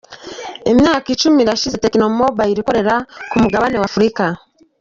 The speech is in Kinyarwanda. Imyaka icumi irashize Tecno Mobile ikorera ku mugabane w’Afurika.